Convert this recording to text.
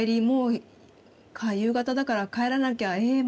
もう夕方だから帰らなきゃえ